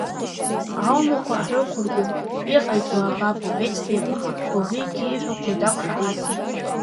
Аумақәа ҳрықәиргәыӷт, иҟаиҵоаабап, — лҳәеит Стефа, Ливукииҳәаздақәшаҳаҭны.